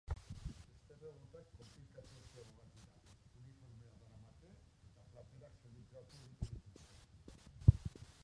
Beste robotak konplexuagoak dira, uniformea daramate, eta platerrak zerbitzatu egiten dituzte.